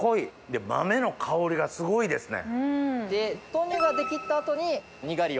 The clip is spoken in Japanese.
豆の香りがすごいですね。